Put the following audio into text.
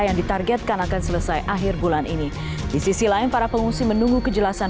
yang ditargetkan akan selesai akhir bulan ini di sisi lain para pengungsi menunggu kejelasan